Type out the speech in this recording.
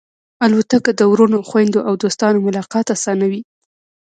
الوتکه د وروڼو، خوېندو او دوستانو ملاقات آسانوي.